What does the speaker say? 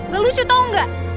gak lucu tau gak